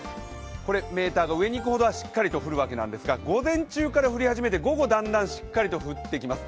メーターが上にいくほどしっかり降るわけですが午前中から降り始めて、午後だんだんしっかりと降ってきます。